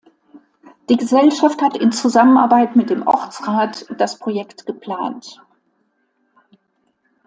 Die Gesellschaft hat in Zusammenarbeit mit dem Ortsrat das Projekt geplant.